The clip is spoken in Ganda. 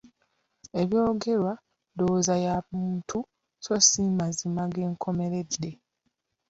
Ebyogerwa ndowooza bya muntu so si mazima ag’enkomeredde.